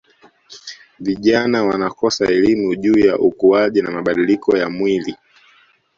Vijana wanakosa elimu juu ya ukuaji na mabadiliko ya mwili